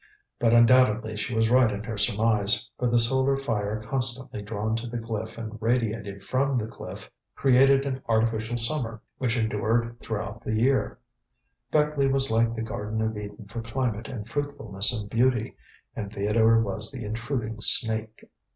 But undoubtedly she was right in her surmise, for the solar fire constantly drawn to the cliff and radiated from the cliff, created an artificial summer, which endured throughout the year. Beckleigh was like the Garden of Eden for climate and fruitfulness and beauty, and Theodore was the intruding snake.